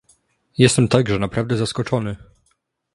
Jestem także naprawdę zaskoczony!